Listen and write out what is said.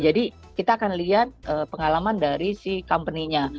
jadi kita akan lihat pengalaman dari si company nya